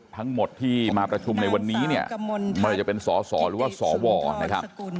ทั้งหมดที่มาประชุมในวันนี้เนี่ยไม่ว่าจะเป็นสสหรือว่าสวนะครับ